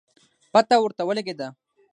پته ورته ولګېده